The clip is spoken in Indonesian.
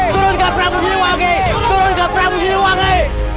turun ke prabu siliwangi